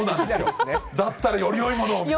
だったら、よりよいものを。